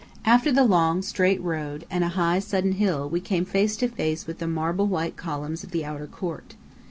After the long, straight road, and a high, sudden hill, we came face to face with the marble white columns of the outer court.